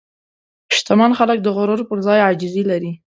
شتمن خلک د غرور پر ځای عاجزي لري.